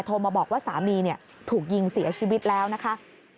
โทรมาบอกว่าสามีถูกยิงเสียชีวิตแล้วนะคะ